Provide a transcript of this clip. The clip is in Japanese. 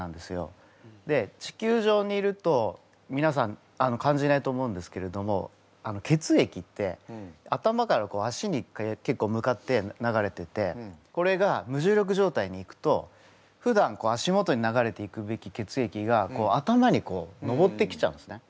で地球上にいるとみなさん感じないと思うんですけれども血液って頭から足に結構向かって流れててこれが無重力状態に行くとふだん足元に流れていくべき血液が頭に上ってきちゃうんですね。